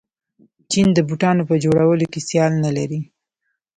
چین د بوټانو په جوړولو کې سیال نلري.